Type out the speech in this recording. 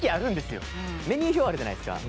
メニュー表あるじゃないですか。